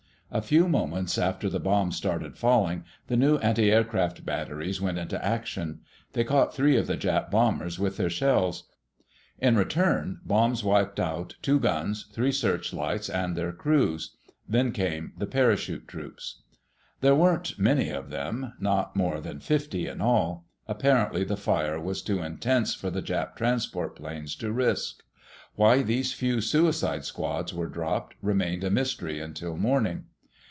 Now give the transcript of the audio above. A few moments after the bombs started falling, the new antiaircraft batteries went into action. They caught three of the Jap bombers with their shells. In return, bombs wiped out two guns, three searchlights, and their crews. Then came the parachute troops. There weren't many of them—not more than fifty in all. Apparently the fire was too intense for the Jap transport planes to risk. Why these few suicide squads were dropped remained a mystery until morning.